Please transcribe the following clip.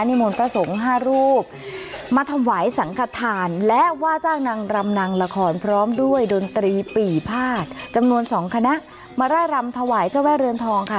มนต์พระสงฆ์ห้ารูปมาถวายสังขทานและว่าจ้างนางรำนางละครพร้อมด้วยดนตรีปี่พาดจำนวนสองคณะมาร่ายรำถวายเจ้าแม่เรือนทองค่ะ